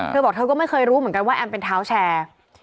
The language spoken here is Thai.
เธอบอกเธอก็ไม่เคยรู้เหมือนกันว่าแอมเป็นเท้าแชร์